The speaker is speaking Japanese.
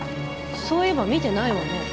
そういえば見てないわね。